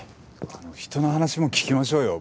あの人の話も聞きましょうよ。